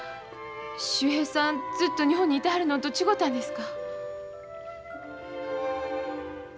秀平さんずっと日本にいてはるのんと違たんですか。